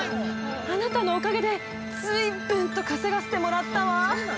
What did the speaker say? あなたのおかげで、随分と稼がせてもらったわ。